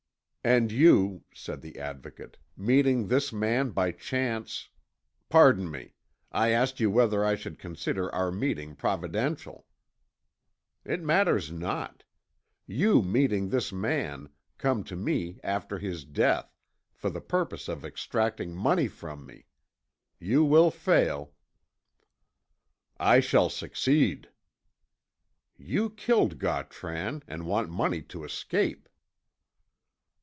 "And you," said the Advocate, "meeting this man by chance " "Pardon me. I asked you whether I should consider our meeting providential." "It matters not. You, meeting this man, come to me after his death, for the purpose of extracting money from me. You will fail." "I shall succeed." "You killed Gautran, and want money to escape."